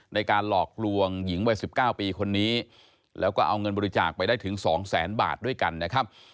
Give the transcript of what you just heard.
ในการหลอกลวงหญิงวัย๑๙ปีคนนี้แล้วก็เอาเงินบริจาคไปได้ถึง๒แสนบาทด้วยกันนะครับ